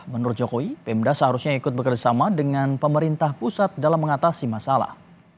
menurut jokowi pemda seharusnya ikut bekerjasama dengan pemerintah pusat dalam mengatasi masalah